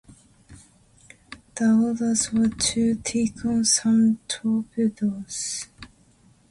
The orders were to take on some torpedoes.